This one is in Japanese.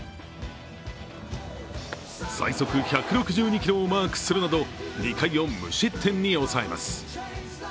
最速１６２キロをマークするなど２回を無失点に押さえます。